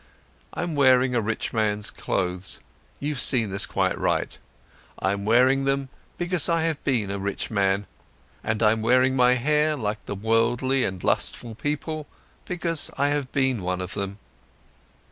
I'm wearing a rich man's clothes, you've seen this quite right. I'm wearing them, because I have been a rich man, and I'm wearing my hair like the worldly and lustful people, for I have been one of them."